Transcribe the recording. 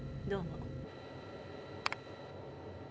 どうも。